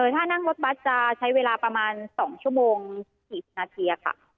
ถ้านั่งรถบัสจะใช้เวลาประมาณ๒ชั่วโมง๔๐นาทีค่ะ